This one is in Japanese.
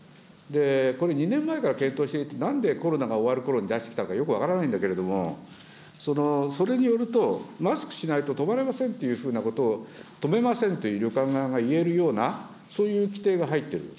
これ２年前から検討していて、なんでコロナが終わるころに出してきたのかよく分からないんだけれども、それによると、マスクしないと泊まれませんというふうなことを、泊めませんと旅館側が言えるような、そういう規定が入っている。